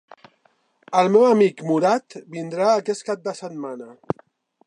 El meu amic Murad vindrà aquest cap de setmana.